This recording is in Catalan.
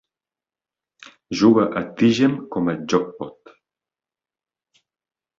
Juga a Tygem com a "gjopok".